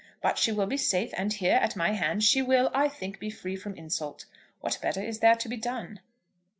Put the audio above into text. But she will be safe; and here, at my hand, she will, I think, be free from insult. What better is there to be done?"